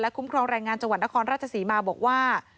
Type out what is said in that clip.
คุ้มครองแรงงานจังหวัดนครราชศรีมาบอกว่า